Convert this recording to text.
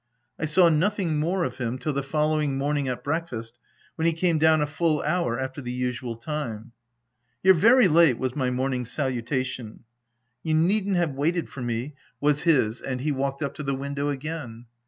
I saw nothing more of him till the following morning at breakfast, when he came down a full hour after the usual time. " You're very late/' was my morning's salu tation. " You needn't have waited for me/' was his ; 92 THE TENANT and he walked up to the window again.